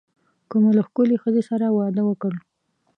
که مو له ښکلې ښځې سره واده وکړ.